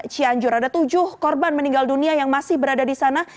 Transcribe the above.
cianjur ada tujuh korban meninggal dunia yang masih berada di sana